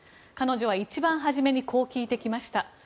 彼女は一番初めにこう聞いてきました。